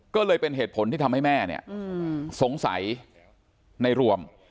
ก็เลยเป็นเหตุผลที่ทำให้แม่เนี่ยสงสัยในรวม